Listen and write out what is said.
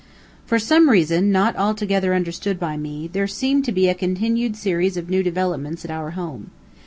For some reason, not altogether understood by me, there seemed to be a continued series of new developments at our home.